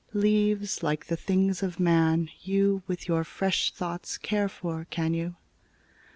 Leáves, like the things of man, you With your fresh thoughts care for, can you?